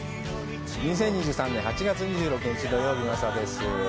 ２０２３年８月２６日、土曜日の朝です。